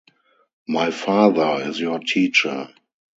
My father is your teacher.